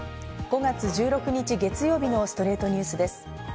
５月１６日、月曜日の『ストレイトニュース』です。